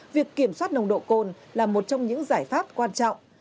việc kiểm soát nồng độ cồn là một trong những giải pháp quan trọng